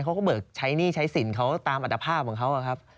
เขาก็เบิกใช้หนี้ใช้สินเขาตามอัตภาพของเขาครับ